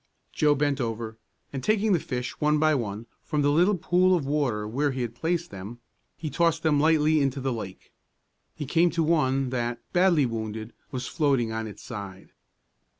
Joe bent over, and taking the fish one by one from the little pool of water where he had placed them, he tossed them lightly into the lake. He came to one that, badly wounded, was floating on its side.